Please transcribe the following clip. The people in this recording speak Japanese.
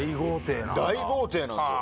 大豪邸なんすよ